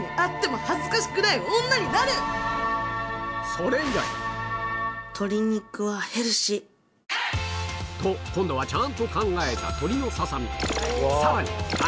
それ以来と今度はちゃんと考えたさらに！